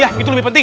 wah beneran nih